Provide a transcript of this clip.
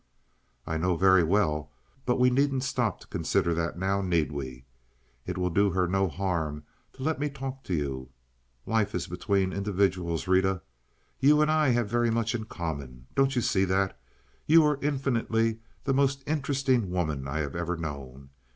"I know very well, but we needn't stop to consider that now, need we? It will do her no harm to let me talk to you. Life is between individuals, Rita. You and I have very much in common. Don't you see that? You are infinitely the most interesting woman I have ever known.